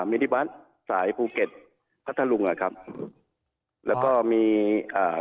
มินิบัตรสายภูเก็ตพัทธลุงอ่ะครับแล้วก็มีอ่า